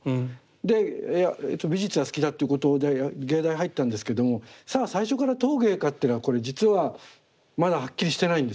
で美術が好きだっていうことで芸大入ったんですけどもさあ最初から陶芸かっていうのはこれ実はまだはっきりしてないんですね。